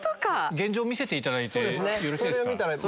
現状見せていただいてよろしいですか？